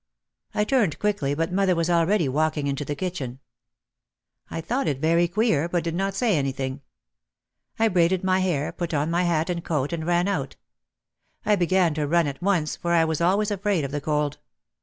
I turned quickly but mother was already walking into the kitchen. I thought it very queer, but did not say anything. I braided my hair, put on my hat and coat, and ran out. I began to run at once, for I was always afraid of the cold.